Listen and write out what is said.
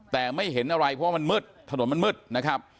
แต่ไม่เห็นอะไรเพราะว่ามันมืดถนนมันมืดนะครับ